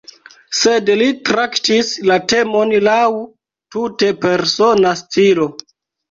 Sed li traktis la temon laŭ tute persona stilo.